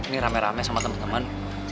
ini rame rame sama temen temen